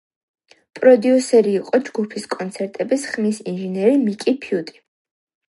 პროდიუსერი იყო ჯგუფის კონცერტების ხმის ინჟინერი მიკი ფუტი.